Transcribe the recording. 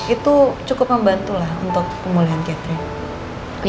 itu cukup membantu lah untuk pemulihan catering